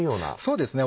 そうですね